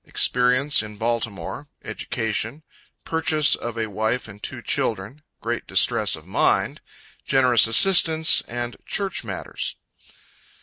Experience in Baltimore Education Purchase of a Wife and two Children Great Distress of Mind Generous Assistance Church Matters.